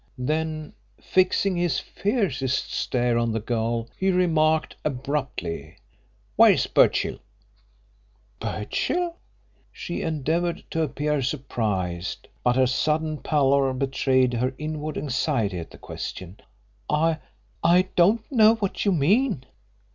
Then, fixing his fiercest stare on the girl, he remarked abruptly: "Where's Birchill?" "Birchill?" She endeavoured to appear surprised, but her sudden pallor betrayed her inward anxiety at the question. "I I don't know who you mean."